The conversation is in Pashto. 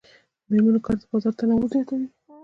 د میرمنو کار د کار بازار تنوع زیاتوي.